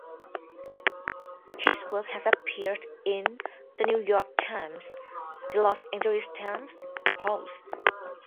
His work has appeared in "The New York Times", the "Los Angeles Times", "Pulse!